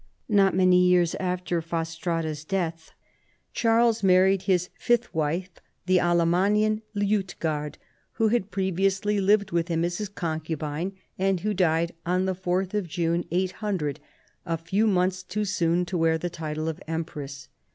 Not many years after Fastrada's death Charles married his fifth wife, the Alamannian Liutgard, who had previous!}' lived with him as his concubine, and who died on the 4th of June, 800, a few months too soon to wear the title of Empress.